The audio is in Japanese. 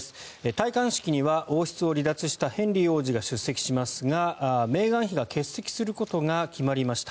戴冠式には王室を離脱したヘンリー王子が出席しますがメーガン妃が欠席することが決まりました。